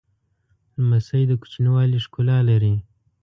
لمسی د کوچنیوالي ښکلا لري.